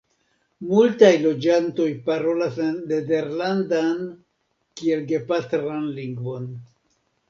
Multaj loĝantoj parolas la nederlandan kiel gepatran lingvon.